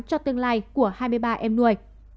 cho tương lai của hai mươi ba em nuôi